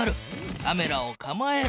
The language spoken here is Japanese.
カメラをかまえる。